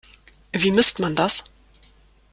Wie misst man das?